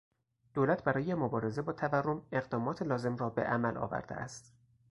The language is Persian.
دولت برای مبارزه با تورم اقدامات لازم را به عمل آورده است.